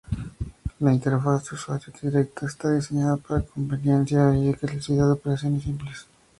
La interfaz de usuario directa está diseñada para conveniencia y velocidad con operaciones simples.